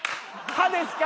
歯ですか？